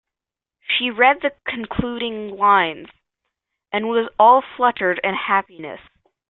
She read the concluding lines, and was all flutter and happiness.